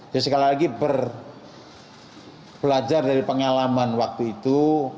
ya sekali lagi belajar dari pengalaman waktu itu